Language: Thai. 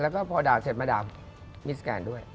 แล้วก็พอด่าเสร็จมาด่ามิสแกนด้วย